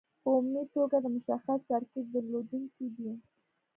په عمومي توګه د مشخص ترکیب درلودونکي دي.